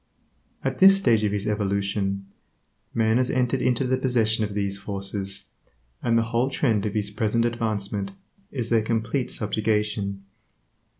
At this stage of his evolution, man has entered into the possession of these forces, and the whole trend of his present advancement is their complete subjugation.